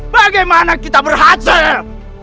bagaimana kita berhasil